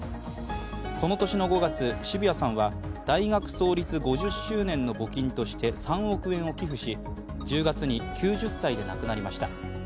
その年の５月、澁谷さんは大学創立５０周年の募金として３億円を寄付し、１０月に９０歳で亡くなりました。